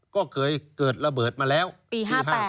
ก็เคยเกิดระเบิดมาแล้วปี๕๕